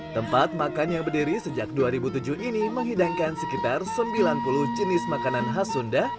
tempat makan yang berdiri sejak dua ribu tujuh ini menghidangkan sekitar sembilan puluh jenis makanan khas sunda